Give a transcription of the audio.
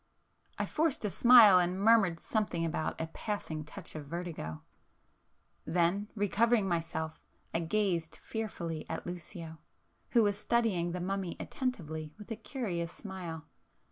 I forced a smile and murmured something about a passing touch of vertigo,—then, recovering myself I gazed fearfully at Lucio, who was studying the mummy attentively with a curious smile.